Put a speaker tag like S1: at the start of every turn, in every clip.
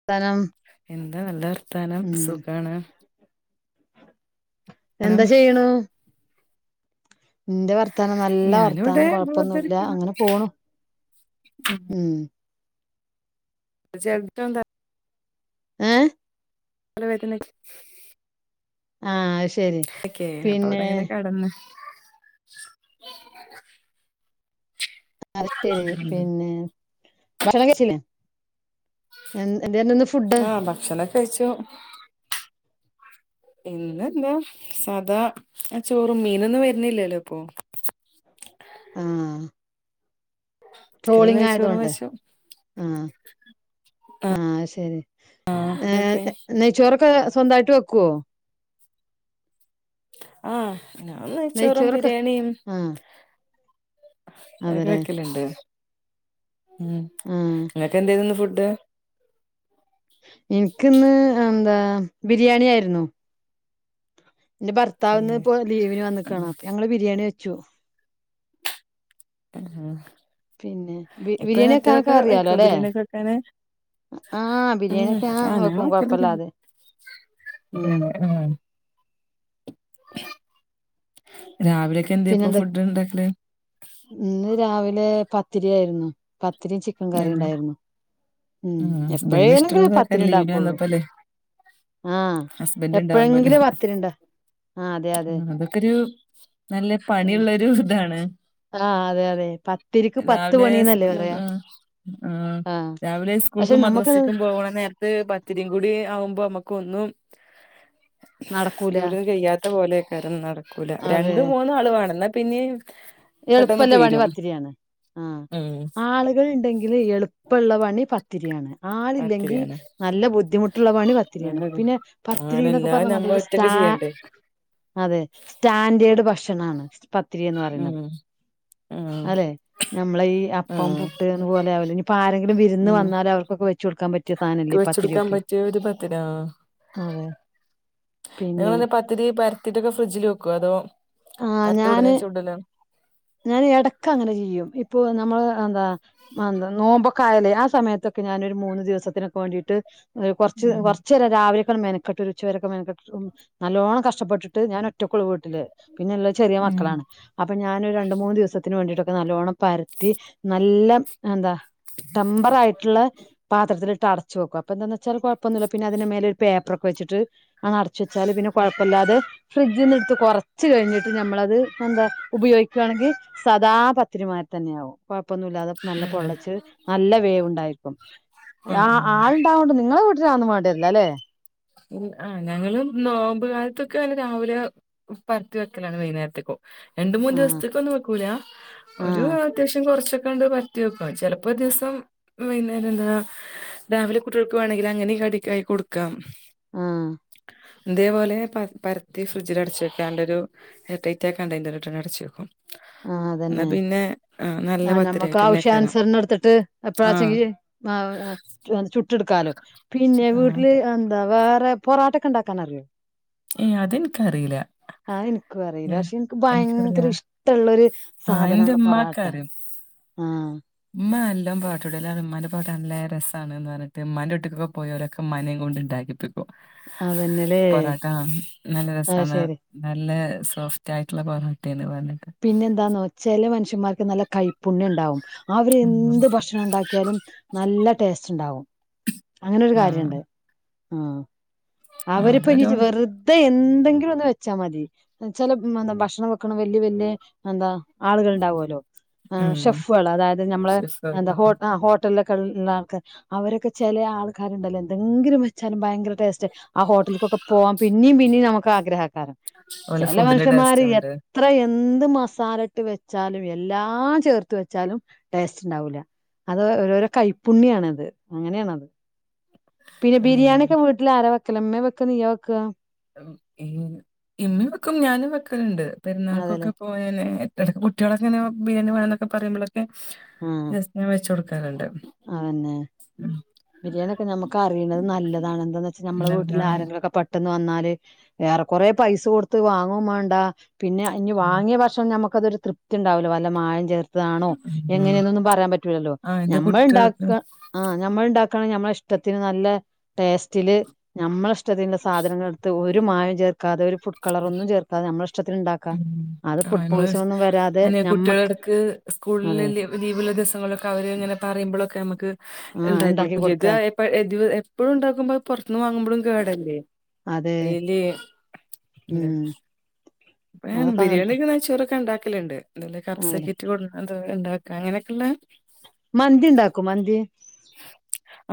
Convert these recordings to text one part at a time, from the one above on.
S1: വർത്താനം
S2: എന്താ നല്ല വർത്താനം
S1: ഉം
S2: സുഖാണ് നം
S1: എന്താ ചെയ്യണൂ നിന്റെ വർത്താനം നല്ല
S2: ഞാനിവിടെ
S1: വർത്താനം കൊഴപ്പൊന്നുല്ല
S2: വെറുതെരിക്കാണ്
S1: അങ്ങനെ പോണു ഉം
S2: ചെൽത്തന്താ [unintelligible]
S1: ഏഹ്
S2: തല വേദന നി-
S1: ആഹ് [unintelligible]
S2: ക്കെ അപ്പൊ
S1: പിന്നെ
S2: അവിടെ അങ്ങനെ കെടന്ന്
S1: അതെക്കെ പിന്നെ ഭക്ഷണം കഴിച്ചില്ലേ എൻ എന്തായിരുന്നു ഇന്ന് ഫുഡ്
S2: ഭക്ഷണം ഒക്കെ കഴിച്ചു ഇന്നെന്താ സാദാ ആ ചോറും മീനൊന്നും വര്ന്നില്ലല്ലോ ഇപ്പൊ.
S1: ആഹ്.
S2: ചിക്കനും നെയ്ച്ചോറും
S1: ട്രോളിങായതുകൊണ്ട്
S2: വെച്ചു
S1: ആഹ്. ആഹ് അയ്ശെരി
S2: ആഹ്
S1: ഏഹ്
S2: നൊക്കെ
S1: നെയ്ച്ചോറൊക്കെ സ്വന്തായ്ട്ട് വെക്കുവോ
S2: ആഹ് ഞാൻ നെയ്ച്ചോറും
S1: നെയ്ച്ചോറൊക്കെ
S2: ബിരിയാണിയും-
S1: ആഹ്
S2: അതൊക്കെ
S1: അതെല്ലേ
S2: വെക്കലുണ്ട് ഉം.
S1: ഉം
S2: നിങ്ങക്ക്‌ എന്തായിരുന്നു ഫുഡ്.
S1: എനിക്ക് ഇന്ന് എന്താ ബിരിയാണി ആയിരുന്നു എന്റെ ഭർത്താവ് ഇന്ന്
S2: തന്നെ
S1: ഇപ്പൊ ലീവിന് വന്ന് നിക്കാണ്
S2: ആഹ്
S1: അപ്പൊ ഞങ്ങള് ബിരിയാണി വെച്ചു.
S2: മ്
S1: പിന്നെ ബി
S2: ഇപ്പൊ
S1: ബിരിയാണി വെക്കാനൊക്കെ
S2: ഒറ്റക്കൊക്കെ
S1: അറിയാലോ
S2: വെക്കോ
S1: അല്ലെ
S2: ബിരിയാണിക്കെ വെക്കാന്
S1: ആഹ്
S2: ഉം
S1: ബിരിയാണിയൊക്കെ ഞാൻ
S2: ആഹ് ഞങ്ങള്
S1: വെക്കും
S2: വെക്കലൊക്കണ്ട്.
S1: കൊഴപ്പല്ലാതെ
S2: ഉം ഉം. രാവിലെയൊക്കെന്തേ ഇപ്പ
S1: പിന്നെന്താ
S2: ഫുഡ്ണ്ടാക്കല്.
S1: ഇന്ന് രാവിലെ പത്തിരി ആയിരുന്നു പത്തിരിം ചിക് ക്കൻ
S2: തന്നെ
S1: കറിണ്ടായ്ര്ന്നു, ഉം
S2: ഹസ്ബൻഡിന്
S1: എപ്പഴേലെങ്കിലും
S2: ഇഷ്ടമുള്ളതൊക്കെ ലീവിന്
S1: പത്തിരിണ്ടാക്കൊള്ളു.
S2: വന്നപ്പോല്ലേ
S1: ആഹ്
S2: ഹസ്ബൻഡ് ഉണ്ടാവുമ്പോലെ
S1: എപ്പഴെങ്കിലും പത്തിരിണ്ട ആഹ് അതെ അതെ.
S2: ഉം. അതൊക്കെ ഒരു നല്ല പണിയുള്ളൊരു ഇതാണ്.
S1: ആഹ് അതെ അതെ പത്തിരിക്ക് പത്ത്
S2: രാവിലെ
S1: പണീന്നല്ലേ
S2: സ്കൂൾ
S1: പറയാ.
S2: ആഹ് ആഹ് രാവിലെ
S1: പക്ഷെ
S2: സ്കൂൾക്കും
S1: നമ്മുക്കത്
S2: മദ്രസക്കും. പോവ്ണ നേര്ത്ത് പത്തിരിം കൂടി ആവുമ്പോ നമുക്കൊന്നും.
S1: നടക്കൂല
S2: ജോലിഒന്നും കയ്യാത്ത പോലെയ്ക്കാരം നടക്കൂല
S1: അതെ
S2: രണ്ടും മൂന്നും ആള് വേണംന്നാ പിന്നിം. പെട്ടെന്ന്
S1: എൾപ്പള്ള പണി
S2: തീരും
S1: പത്തിരിയാണ് ആഹ്
S2: ഉം
S1: ആളുകള്ണ്ടെങ്കിൽ എളുപ്പള്ള പണി പ ത്തിരിയാണ്, ആളില്ലെങ്കി
S2: പത്തിരിയാണ്
S1: നല്ല ബുദ്ധിമുട്ടുള്ള പണി പത്തിര്യാണ്,
S2: നല്ലത്
S1: പിന്നെ പത്തിരി എന്നൊക്കെ
S2: അങ്ങനെല്ലാം
S1: പറഞ്ഞാ
S2: ഞമ്മള്
S1: നല്ലൊരു
S2: ഒറ്റക്ക്
S1: സ്റ്റാ-
S2: ചെയ്യണ്ടേ
S1: അതെ സ്റ്റാൻഡേർഡ് ഭക്ഷണാണ് പത്തിരി എന്ന് പറയുന്നത്
S2: ഉം ഉം
S1: അല്ലെ നമ്മളെ ഈ അപ്പം
S2: ഉം
S1: പുട്ട്ന്ന് പോലെ ആവല് ഇനിപ്പോ ആരെങ്കിലും വിരുന്ന്
S2: ഉം
S1: വന്നാലവർക്കൊക്കെ വെച്ചു കൊടുക്കാൻ പറ്റ് പറ്റ്യ സാനല്ലെ ഈ പത്തി
S2: കൊടുക്കാൻ പറ്റിയ ഒരു പത്തിര.
S1: അതെ. പിന്നെ
S2: നിങ്ങളീ പത്തിരി പര്ത്തീട്ടൊക്കെ ഫ്രിഡ്ജില് വെക്കോ അതോ.
S1: ആഹ്
S2: പരത്തി
S1: ഞാന്
S2: ഉടനെ ചുടലോ
S1: ഞാന് എടക്കങ്ങനെ ചെയ്യും ഇപ്പൊ നമ്മള് എന്താ. മാന്ത നോമ്പൊക്കായാലേ ആ സമയത്തൊക്കെ ഞാനൊരു മൂന്ന് ദിവസത്തിനൊക്കെ വേണ്ടീട്ട്. കൊർച്ച്
S2: ഉം
S1: കൊർച്ചേരാ രാവിലെക്കാണ്ട് മെൻക്കെട്ടൊരു ഉച്ച വരൊക്കെമെൻക്കെട്ട് നല്ലോണം കഷ്ടപ്പെട്ടിട്ട് ഞാൻ ഒറ്റക്കൊള്ളൂ വീട്ട്ല്. പിന്നിള്ള ചെറിയ
S2: ഉം
S1: മക്കളാണ്. അപ്പൊ ഞനൊരു രണ്ട് മൂന്ന് ദിവസത്തിന് വേണ്ടീട്ടൊക്കെ നല്ലോണ്ണം പര്ത്തി നല്ലം എന്താ. ടെമ്പറായ്ട്ട്ള്ള പാത്രത്തിലിട്ട് അട ച്ചുവെക്കും അപ്പ എന്താന്ന് വച്ചാൽ കൊഴ്പ്പൊന്നുല്ല്യ പിന്നെ അതിന്റെ മേലൊരു പേപ്പറൊക്കെ വെച്ച്ട്ട്. അങ്ങ് അടച്ച് വെച്ചാല് പിന്നെ കൊഴ്പ്പല്ലാതെ ഫ്രിഡ്ജിന്നെട്ത്ത് കൊർച്ച് കഴിഞ്ഞിട്ട് ഞമ്മളത്. എന്താ ഉപയോഗിക്കാണെങ്കി സാദാ പത്തിരിമാര്തന്നെയാകും. കൊഴ്പ്പൊന്നുല്ലാതെ നല്ല
S2: ആഹ്
S1: പൊള്ളച്ച് നല്ല വേവുണ്ടായ്ക്കും. ആഹ് ആളുണ്ടാവോണ്ട് നിങ്ങളെ വീട്ടിലതൊന്നും വേണ്ടിവര്ല്ല ലേ.
S2: ആഹ് ഞങ്ങളും നോമ്പ് കാൽത്തൊക്കെന്നെ രാവിലെ. പര്ത്തി വെക്കലാണ് വൈന്നേര്ത്ത്ക്കും. രണ്ട് മൂന്ന്
S1: ആഹ്
S2: ദിവസ്ത്ത്ക്കൊന്നും വെക്കൂല ഒരു
S1: ആഹ്
S2: അത്യാവശ്യം കൊറച്ചൊക്കണ്ട് പര് ത്തിവെക്കും, ചെലപ്പം ദിവ്സം വൈകുന്നേരം എന്താ രാവിലെ കുട്ട്യോൾക്ക് വേണെങ്കിൽ അങ്ങനെ കടിക്കായി കൊട്ക്കാം.
S1: ആഹ്
S2: ഇതേപോലെ പര പരത്തി ഫ്രിഡ്ജിലടച്ച് വെക്കാണ്ടൊരു എയർടൈറ്റാകണ്ടയ്നർല് ഇട്ടങ് അടച്ച് വയ്ക്കും.
S1: ആഹ് അതന്നെ
S2: നല്ല
S1: ആ നമ്മക്ക്
S2: പത്തിരിയായിട്ടന്നെക്കാരം
S1: ആവശ്യാനുസരണം എടുത്തിട്ട്
S2: ആഹ്
S1: എപ്പളാച്ചെങ്കി. ആ ചുട്ടെടുക്കാലോ പിന്നെ
S2: ആഹ്
S1: വീട്ടില് ആ എന്താ വേറെ പൊറാട്ടൊക്കെ ഉണ്ടാക്കാൻ അറിയോ
S2: ഏഹ് അതെനിക്കറിയില്ല
S1: ആഹ് എനിക്കും അറയില്ല
S2: ഏഹ്
S1: പക്ഷെ എനിക്ക്
S2: എനിക്കറിയില്ല
S1: ഭയങ്കര ഇഷ് ട്ടൊള്ളൊരു
S2: ആഹ് എന്റെ
S1: സാധനാണ് പൊറാട്ട ആഹ്
S2: ഉമ്മാ എല്ലാം പൊറാട്ടാ ചുടലാണ് ഉമ്മാന്റെ പൊറട്ട നല്ല രസാണ് എന്ന് പറഞ്ഞിട്ട് മ്മാന്റെ വീട്ടിക്ക്‌ക്ക് പോയവരൊക്കെ ഉമ്മാനെ കൊണ്ട് ഉണ്ടാക്കിപ്പ്
S1: അത് തന്നെയല്ലേ
S2: ആഹ് നല്ല രസമാണ് നല്ല സോഫ്റ്റ് ആയിട്ടുള്ള പൊറോട്ടയാന്ന് പറഞ്ഞ കേൾക്കാം
S1: പിന്നെ എന്താന്ന് വെച്ചാല് മനുഷ്യമാർക്ക് നല്ല കൈ പുണ്യം ഉണ്ടാവും അവര്
S2: ഉം
S1: എന്ത് ഭക്ഷണം ഉണ്ടാക്കിയാലും നല്ല ടേസ്റ്റ് ഉണ്ടാവും അങ്ങനൊരു
S2: ആഹ്
S1: കാര്യവുണ്ട് ആഹ്
S2: ആ
S1: അവരിപ്പോ ഇനി
S2: അതൊരു
S1: വെറുതെ എന്തെങ്കിലും ഒന്ന് വെച്ചാ മതി ചെല ഭക്ഷണം വെക്കണ വല്യ വല്യ എന്താ ആളുകൾ ഉണ്ടാവുമല്ലോ ആഹ്
S2: ഉം
S1: ഷെഫുകൾ അതായത് നമ്മള്
S2: ഷെഫ്
S1: എന്താ ഹോ
S2: അതുപോലെ
S1: ആ ഹോ ട്ടലിൽ ഒക്കെ നിക്കുന്ന ആൾക്കാർ അവരൊക്കെ ചെല ആൾക്കാരുണ്ടല്ലോ എന്തെങ്കിലും വെച്ചാലും ഭയങ്കര ടേസ്റ്റ് ആഹ് ഹോട്ടൽക്കൊക്കെ പോവാൻ പിന്നെയും പിന്നെയും നമുക്ക് ആഗ്രഹക്കാരം ചില
S2: ഫുഡിന്റെ ടേസ്റ്റ്
S1: മനുഷ്യന്മാര് എ
S2: കൊണ്ട്
S1: ത്ര എന്ത് മസാല ഇട്ട് വെച്ചാലും എല്ലാ ചേർത്ത് വെച്ചാലും ടേസ്റ്റ് ഉണ്ടാവൂല അത് ഓരോരോ കൈപ്പുണ്ണിയം ആണത് അങ്ങനെയാണത് പിന്നെ
S2: ഉം
S1: ബിരിയാണി ഒക്കെ വീട്ടില് ആരാ വെക്കല് ഉമ്മയാ വെക്കല് നീയാ വെക്കുക
S2: ഇമ്മ വെക്കും ഞാനും വെക്കലുണ്ട് പെരുന്നാൾക്കൊക്കെ
S1: അതേല്ലേ
S2: പോയാല് എടക്ക് കുട്ടികളൊക്കെ ഇങ്ങനെ ബിരിയാണി വേണോന്നൊക്കെ പറയുമ്പോളൊക്കെ
S1: ഉം
S2: ഞാൻ വെച്ച് കൊടുക്കാറുണ്ട്
S1: അത് തന്നെ
S2: ഉം
S1: ബിരിയാണി ഒക്കെ നമുക്ക് അറിയുന്നത് നല്ലതാണ് എന്താന്ന് വെച്ചാൽ നമ്മടെ വീട്ടിൽ
S2: പിന്നെന്താ?
S1: ആരങ്കിലൊക്കെ പെ ട്ടന്ന്‌ വന്നാല് ഏറെ കൊറെ പൈസ കൊടുത്ത് വാങ്ങുവേയും വേണ്ട പിന്നെ ഇനി വാങ്ങിയ ഭ പക്ഷെ നമുക്ക് അതൊരു തൃപ്തി ഉണ്ടാവില്ല വല്ല മായം ചേർത്തതാണോ
S2: ഉം
S1: എങ്ങനെയെന്നൊന്നും പറയാൻ പറ്റൂല്ലല്ലോ
S2: ആ ഇത്
S1: നമ്മള്
S2: കുട്ടികൾക്ക്
S1: ഉണ്ടാക്കുക ആ നമ്മൾ ഉണ്ടാക്കയാണെങ്കിൽ നമ്മടെ ഇഷ്ടത്തിന് നല്ല ടേസ്റ്റില് നമ്മളെ ഇഷ്ടത്തിന്റെ സാധനങ്ങൾ എടുത്ത് ഒരു മായവും ചേർക്കാതെ ഒരു ഫുഡ് കളറൊന്നും ചേർക്കാതെ നമ്മടെ ഇഷ്ടത്തിന് ഇഷ്ടത്തിന് ഉണ്ടാക്ക
S2: ഉ നമ്മൾ അന്നെ
S1: ഞമ്മക്ക്
S2: കുട്ടികളടക്ക് സ്കൂളിള്
S1: അതെ
S2: ലിവുള്ള ദിവസങ്ങളിലൊക്കെ അവര് ഇങ്ങനെ പറയുമ്പളൊക്കെ നമുക്ക്
S1: ആ
S2: ഉണ്ടാക്കി കൊടുക്കും
S1: കൊടുക്ക
S2: ചെയ്ത് എപ്പഴും ഉണ്ടാക്കുമ്പോ പുറത്തന്ന് വാങ്ങുമ്പോഴും കേടല്ലേ
S1: അതെ
S2: അയില്
S1: ഉം
S2: അപ്പം
S1: അതൊക്കെ അങ്ങനത്തെ
S2: ബിരിയാണിയൊക്കെ നെയ്ച്ചോറൊക്കെ ഉണ്ടാക്കലുണ്ട് എന്തേലും കബ്സ
S1: അതെ
S2: കിറ്റ് കൊ അത് ഉണ്ടാക്ക അങ്ങനെയൊക്കെയുള്ളെ
S1: മന്തി ഉണ്ടാക്കുവോ മന്തി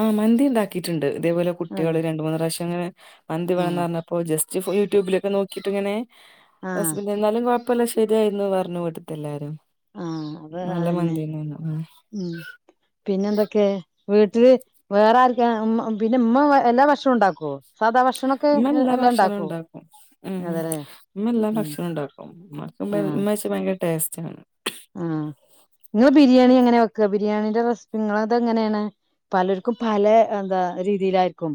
S2: ആഹ് മന്തി ഉണ്ടാക്കിയിട്ടുണ്ട് ഇതേപോലെ
S1: അതെ
S2: കുട്ടികള് രണ്ട് മൂന്ന് പ്രാവശ്യം അങ്ങനെ മന്തി വേണോന്ന്
S1: ആഹ്
S2: പറഞ്ഞപ്പോ ജസ്റ്റ് യൂട്യൂബിലൊക്കെ നോക്കിട്ട് ഇങ്ങനെ
S1: ആഹ്
S2: ഹസ്ബൻഡ് എന്നാലും കുഴപ്പവില്ല ശരിയായിന്ന് പറഞ്ഞു ഇവിടെത്തെ എല്ലാരും
S1: ആഹ് അതാ അത്
S2: നല്ല
S1: തന്നെ
S2: മന്തീന്നെന്നോ ആ
S1: ഉം പിന്നെ എന്തൊക്കെ വീട്ടില് വേറെ ആർക്കാ ഉ പിന്നെ ഉമ്മ എല്ലാ ഭക്ഷണവും ഉണ്ടാക്കുവോ സാധാ ഭക്ഷണൊക്കെ
S2: ഉമ്മ എല്ലാ
S1: എല്ലാം
S2: ഭക്ഷണവും
S1: ഉണ്ടാക്കോ
S2: ഉണ്ടാക്കും ഉം
S1: അതെല്ലേ
S2: ഇമ്മ എല്ലാ
S1: ഉം
S2: ഭക്ഷണവും ഉണ്ടാക്കും ഉമ്മക്ക്
S1: ആഹ്
S2: ഉമ്മ വെച്ചാ ഭയങ്കര ടേസ്റ്റാണ്
S1: ആഹ് നിങ്ങള് ബിരിയാണി എങ്ങനെ വെക്കുക ബിരിയാണീന്റെ റെസിപ്പി നിങ്ങളുടേത് എങ്ങനെ ആണ് പലർക്കും പല എന്താ രീതിയിലായിരിക്കും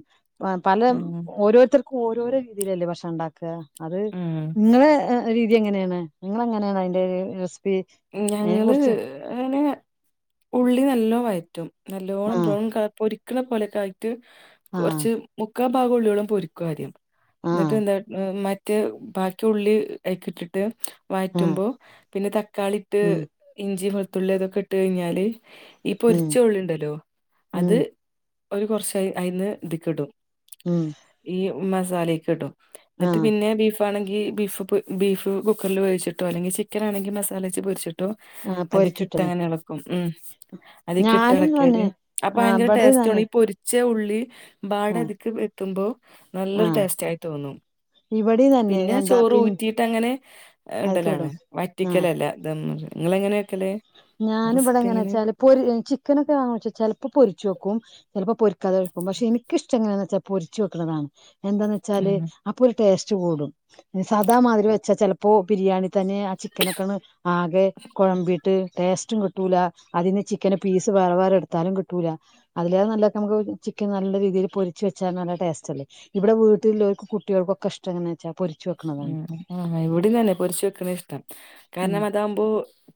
S1: പല
S2: ഉം
S1: ഓരോരുത്തർക്കും ഓരോരോ രീതിയിലല്ലേ ഭക്ഷണം ഉണ്ടാക്കുക അത്
S2: ഉം
S1: നിങ്ങളെ രീതി എങ്ങനെയാണ് നിങ്ങൾ എങ്ങനെയാണ് അതിന്റെ റെസിപ്പി അതിനെ
S2: ഞങ്ങള്
S1: കുറിച്ച്
S2: അങ്ങനെ ഉള്ളി നല്ലോ വയ റ്റും നല്ലോണം
S1: ആഹ്
S2: ബ്രൗൺ കളർ പൊരിക്കണ പോലെയൊക്കെ ആയിട്ട്
S1: ആഹ്
S2: കുറച്ച് മുക്കാൽ ഭാഗം ഉള്ളികളും പൊരിക്കും ആദ്യം എന്നിട്ട്
S1: ആഹ്
S2: എന്താ മ റ്റ് ബാക്കി ഉള്ളി അയിക്ക്‌ ഇട്ടിട്ട്
S1: ആഹ്
S2: വയറ്റുമ്പോ പിന്നെ തക്കാളി ഇട്ട്
S1: ഉം
S2: ഇഞ്ചി വെൾത്തുള്ളി അതൊക്കെ ഇട്ട് കഴിഞ്ഞാല് ഈ
S1: ഉം
S2: പൊരിച്ച ഉള്ളിണ്ടല്ലോ അത്
S1: ഉം
S2: ഒരു കുറച്ച് അയ് അയിന്ന് ഇതിക്കിടും
S1: ഉം
S2: ഈ മസാലേക്ക് ഇടും എന്നിട്ട്
S1: ആഹ്
S2: പിന്നെ ബീഫ് പ്പ ആണെങ്കി ബീഫ് പൊ ബീഫ്‌ കുക്കറിൽ വേവ്ച്ചിട്ടോ അല്ലെങ്കിൽ ചിക്കൻ ആണെങ്കിൽ മസാലേച്ച് പൊരിച്ചി ട്ടോ
S1: ആഹ്
S2: അത് കിട്ട്
S1: പൊരിച്ചിട്ടന്നെ
S2: അങ്ങനെ ഇളക്കും ഉം അതീക്കിട്ട്
S1: ഞാനും
S2: എളക്കിയാല്
S1: തന്നെ
S2: അപ്പൊ
S1: ആഹ്
S2: ഭയങ്കര
S1: ഇബടെ
S2: ടേസ്റ്റും ആണ്
S1: തന്നെ
S2: ഈ പൊരി ച്ച ഉള്ളി മ്പാടെ
S1: ആഹ്
S2: തിക്ക് എത്തുമ്പോ നല്ലൊരു
S1: ആഹ്
S2: ടേസറ്റായി തോന്നും
S1: ഇവിടെയും തന്നെ
S2: പിന്നെ
S1: എന്താ
S2: ചോറ്
S1: പിൻ
S2: ഊറ്റിയിട്ടങ്ങനെ
S1: അയ്ക്ക്
S2: ഇടലാണ്
S1: വിടും
S2: വറ്റി ല്ല ദം ഇങ്ങളെങ്ങനെ വെക്കല്
S1: ഞാൻ ഇവിടെ എങ്ങനെ വെച്ചാല് പൊരി ചിക്കനൊക്കെ ആണ്ച്ച ചെലപ്പോ പൊര്ച്ചു വെക്കും ചെലപ്പോ പൊരിക്കാതെവെക്കും പക്ഷേ എനിക്ക് ഇഷ്ടം എങ്ങനെയാന്ന് വെച്ചാ പൊരിച്ച് വെക്കണതാണ് എന്താന്ന് വെച്ചാല്
S2: ആ
S1: അപ്പൊ ഒരു ടേസ്റ്റ് കൂടും സാദാ മാതിരി വെച്ചാ ചിലപ്പോ ബിരിയാണി തന്നെ ആ ചിക്കനൊക്കണ് ആകെ കുഴമ്പീട്ട് ടേസ്റ്റും കിട്ടൂല അതിന്ന് ചിക്കന് പീസ് വേറെ വേറെ എടുത്താലും കിട്ടൂല അതിലേറെ നല്ലത് നമുക്ക് ചിക്കൻ നല്ല രീതിൽ പൊരിച്ച് വെച്ചാ നല്ല ടേസ്റ്റ് അല്ലേ ഇവിടെ വീട്ടില്ലോൽക്കും കുട്ടിയൾക്കൊക്കെ ഇഷ്ടങ്ങനെച്ചാ പൊര്
S2: ഉം ആഹ് ഇവിടിം തന്നെ പൊരിച്ചു വെക്കണ ഇഷ്ടം
S1: ഉം
S2: കാരണം അതാവുമ്പോ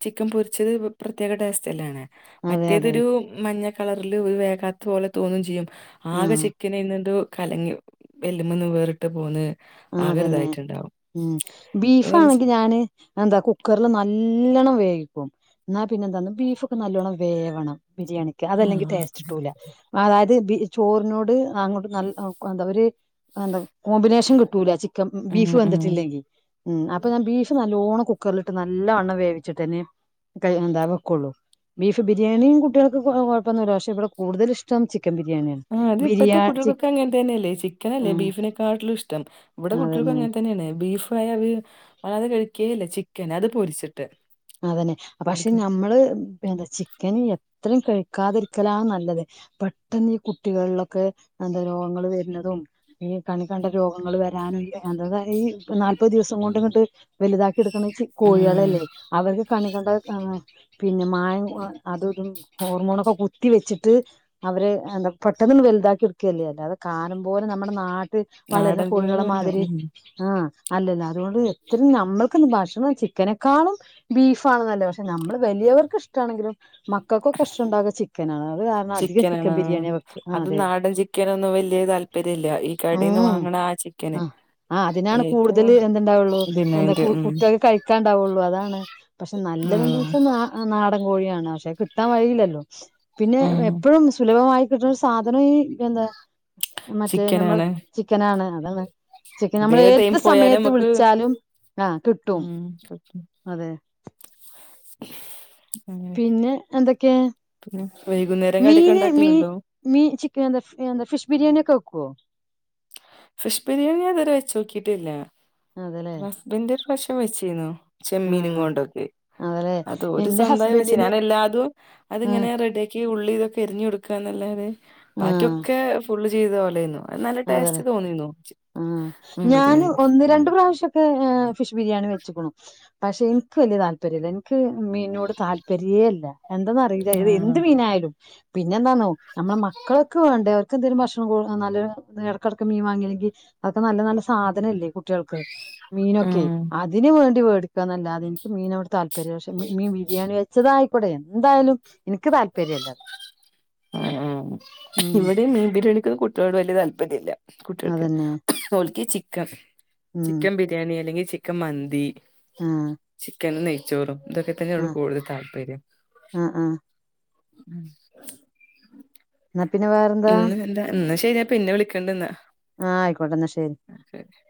S2: ചിക്കൻ പൊരിച്ചത് പ്രത്യേക ടേസ്റ്റ് അല്ലേ നെ
S1: അതെ അതെ
S2: മറ്റേതൊരു മഞ്ഞ കളറില് ഒരു വേഗാത്ത പോലെ തോന്നും ചെയ്യും
S1: ആ
S2: ആകെ ചി ക്കന് അയ്‌ന്ന്ട്ട് കലങ്ങി എല്ല്മ്മന്ന് വേറിട്ട് പോന്ന്
S1: ആ
S2: ആകരുതായി
S1: അതന്നെ ഉം ബീഫണെങ്കി ഞാന് എന്താ കുക്കറിൽ നല്ലണ്ണം വേവിക്കും എന്ന പിന്നെ എന്താന്നോ ബീഫൊക്കെ നല്ലോണം വേവണം ബിരിയാണിക്ക് അതല്ലെങ്കിൽ
S2: ആഹ്
S1: ടേസ്റ്റ് കിട്ടൂല അതായത് ബി ചോറിനോട് അങ്ങോട്ട് നല്ല എന്താ ഒരു എന്താ കോമ്പിനേഷൻ കിട്ടൂല ചിക്കൻ
S2: ഉം
S1: ബീഫ്
S2: ഉം
S1: വെന്തിട്ടില്ലെങ്കി ഉം അപ്പൊ ഞാൻ ബീഫ് നല്ലോണ്ണം കുക്കറിലിട്ട് നല്ലവണ്ണം വേവിച്ചിട്ടന്നെ കൈ എന്താ വക്കോള്ളൂ ബീഫ്‌ ബിരിയാണിയും കുട്ടികൾക്ക് കുഴപ്പൊന്നുല്ല പക്ഷേ ഇവിടെ കൂടുതല് ഇഷ്ടം ചിക്കൻ ബിരിയാണിയാണ്
S2: ആഹ് അത് ഇപ്പഴത്തെ
S1: ബിരിയാ ചി
S2: കുട്ടികൾകൊക്കെ അങ്ങനെ തന്നെയല്ലേ ചിക്കനല്ലേ
S1: ആ
S2: ബീഫിനെക്കാട്ടിലും ഇഷ്ടം ഇവിടെ കുട്ടികൾക്കും
S1: അതന്നെ
S2: അങ്ങനെ തന്നെയാണ് ബീഫായ അത് വല്ലാതെ കഴിക്കേ ഇല്ല ചിക്കന് അത് പൊര്ച്ചിട്ട്
S1: അതന്നെ പക്ഷെ നമ്മള് എന്താ ചിക്കന് എത്രയും കഴിക്കാതിരിക്കലാ നല്ലത് പെട്ടെന്ന് ഈ കുട്ടികളിലൊക്കെ എന്താ രോഗങ്ങൾ വര്ണതും ഈ കണ്ണി കണ്ട രോഗങ്ങള് വരാനും എന്ത ഈ നാല്പത് ദിവസം കൊണ്ട് ഇങ്ങട്ട് വലുതാക്കി എടുക്കണ
S2: ഉം
S1: കോഴികളല്ലേ അവർക്ക് കണ്ണി കണ്ട പിന്നെ മായം അതും ഇതും ഹോർമോണൊക്കെ കുത്തി വെച്ചിട്ട് അവരെ എന്താ പെട്ടെന്ന്ട് വലുതാക്കി ഇട്ക്കല്ലേ അല്ലാതെ കാലം പോലെ നമ്മുടെ നാ ട്ടി വളരുന്ന
S2: നാടൻ
S1: കോഴികളെ
S2: കോഴികളല്ല
S1: മാതിരി
S2: ഉം
S1: ആഹ് അല്ലല്ലോ അതുകൊണ്ട് എത്രയും നമ്മക്ക് എന്ത് ഭക്ഷണം ചിക്കനെക്കാളും ബീഫ്‌ ആണ് നല്ലത് പക്ഷെ നമ്മള് വലിയവർക്ക് ഇഷ്ടാണെങ്കിലും മക്കക്കൊക്കെ ഇഷ്ടുണ്ടാക ചിക്കനാണ് അത് കാരണം അധികം ചിക്കൻ ബിരിയാണിയ വെക്ക് ആഹ് അതെ
S2: ചിക്കൻ ഒന്നും വല്യേ താല്പര്യ ഇല്ല ഈ കടെന്ന്
S1: ഉം
S2: വാങ്ങണ ആ ചിക്കൻ
S1: ആഹ് ആഹ് അതിനാണ് കൂടുതൽ എന്തുണ്ടാവുള്ളൂ എന്താ
S2: ഡിമാൻഡ് ഉം
S1: കുട്ടികൾക്ക് കഴിക്കാണ്ടാവുള്ളൂ അതാണ് പക്ഷെ നല്ലതെന്ന്
S2: ആഹ്
S1: വെച്ചാൽ ന ആ നാടൻ കോഴിയാണ് പക്ഷെ കിട്ടാൻ വഴിയില്ലല്ലോ പിന്നെ
S2: ഉം
S1: എപ്പഴും സുലഭമായി കിട്ട്ണൊരു സാധനം ഈ എന്താ മറ്റേ ഞമ്മൾ
S2: ചിക്കനാണ്
S1: ചിക്കനാണ് അതാണ് ചിക്കൻ നമ്മൾ
S2: ഇതേ ടൈം
S1: ഏത്
S2: പോയാലും
S1: സമയത്ത്
S2: നമുക്ക്
S1: വിൾച്ചാലും ആഹ് കിട്ടും
S2: ഉം കിട്ടും
S1: അതെ
S2: [inaudible]
S1: പിന്നെ എന്തൊക്കേ
S2: പിന്നെ വൈകുന്നേര കട്യൊക്കെണ്ടാക്കല്ണ്ടോ
S1: മീ ചിക്കനെന്താ ഫ് എന്ത ഫിഷ് ബിരിയാണ്യൊക്കെ വെക്കോ
S2: ഫിഷ് ബിരിയാണി ഞാൻത്‌വെരെ വെച്ചാേക്കീട്ടില്ലാ
S1: അതേല്ലേ
S2: ഹസ്ബെന്റൊര്റാശ്യം വെച്ചീന്നു
S1: ആഹ്
S2: ചെമ്മീനുംങ്കോണ്ടാെക്കെ
S1: അതേല്ലേ
S2: അത് ഓര്
S1: എന്റെ
S2: സ്വന്തായ് വെച്ച്
S1: ഹസ്ബൻഡിന്
S2: ഞാനെല്ലാതും
S1: ആഹ്
S2: അത്ങ്ങെനെ റെഡ്യാ ക്ക്യ് ഉള്ളീംതൊക്കെ എര്ഞ്ഞ് കൊട്ക്കാന്നല്ലാതെ ബാക്ക്യൊക്കെ ഫുള്ള് ചെയ്തത് ഓലേയ്ന്നു നൽ
S1: അതെലെ ആഹ്
S2: മീൻ
S1: ഞാന്
S2: ബിരിയാണി
S1: ഒന്ന് രണ്ട് പ്രാവശ്യാെ ക്കേ ഏഹ് ഫിഷ് ബിരിയാണി വെച്ച്ക്കുണു പഷെ ഇൻക്ക് വെല്യ താൽപര്യല്ല ഇൻക്ക് മീൻനോട് താൽപര്യേല്ലാ എന്തന്നറീലാ എത്
S2: ആഹ്
S1: എന്ത് മീനായ്ലും പിന്നെന്താന്നോ നമ്മളെ മക്കള്ക്കെ വേണ്ടേ ക്കെന്തേലും ഭക്ഷണം കൊ ആഹ് നല്ലൊരു ത് എടെക്കെട്ക്ക് മീം വാങ്ങീല്ലെങ്കി അതൊക്കെ നല്ല നല്ല സാധെനെല്ലേ കു ട്ട്യേൾക്ക്
S2: ഉം
S1: മീനൊക്കേ അതിന് വേണ്ടി വേട്ക്കാന്നല്ലാതെ ഇൻക്ക് മീനോട് താൽ പര്യ പക്ഷെ മി മീം ബിരിയാണി വെച്ചെതായ്ക്കോട്ടെ എന്തായാലും ഇൻക്ക് താല്പര്യല്ലാ
S2: അഹ് ആഹ് ഇവെടേം മീൻ ബിരിയാണിക്ക് കുട്ട്യോളോട് വല്യ താല്പര്യല്ലാ കുട്ട്യേൾക്ക്
S1: അതന്നെ
S2: ഓൽക്കീ ചിക്ക
S1: ഉം
S2: ചിക്കം ബിര് ര്യാണി അല്ലെങ്കി ചിക്കം മന്തി
S1: ആഹ്
S2: ചിക്കനും നെയ്ച്ചോറും ഇതൊക്കെ തന്നെള്ളു
S1: ആഹ്
S2: കൂട്തെൽ താല്പര്യം
S1: ആഹ് ആഹ്
S2: ഉം
S1: ന്നാ പിന്നെ വേറെ
S2: ഇന്ന് എന്താ ഇന്നാ ശരി ഞാൻ പിന്നെ വിളിക്കെണ്ട്ന്നാ
S1: ആഹ് അയ്ക്കോട്ടെന്നാ ശരി
S2: ക്കെ ഓക്കെ